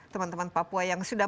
teman teman papua yang sudah